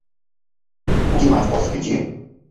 O que mais posso pedir?